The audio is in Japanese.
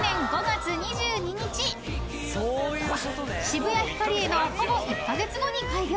［渋谷ヒカリエのほぼ１カ月後に開業］